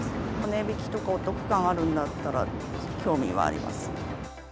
値引きとかお得感があるんだったら、興味はあります。